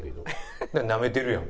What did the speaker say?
なめてるやん。